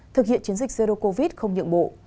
thực hiện chiến dịch zero covid không nhượng bộ